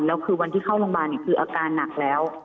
แล้วคือวันที่เข้าโรงพยาบาลคืออาการหนักแล้ว